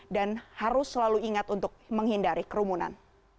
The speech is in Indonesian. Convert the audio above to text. dan harus selalu ingat untuk menghindari kerumunan